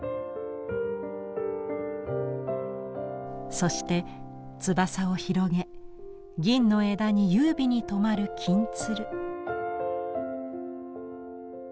そして翼を広げ銀の枝に優美にとまる金鶴。